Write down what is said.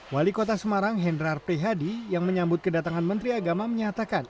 wali kota semarang hendrar prihadi yang menyambut kedatangan menteri agama menyatakan